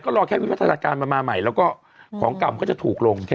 ก็รอแค่วิทยาศาสตราการมาใหม่แล้วก็ของกรรมก็จะถูกลง